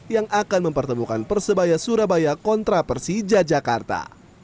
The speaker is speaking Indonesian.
yang akan mempertemukan persebaya surabaya kontra persija jakarta